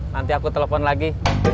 nanti aku telepon lagi